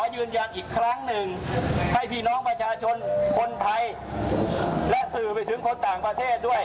ยืนยันอีกครั้งหนึ่งให้พี่น้องประชาชนคนไทยและสื่อไปถึงคนต่างประเทศด้วย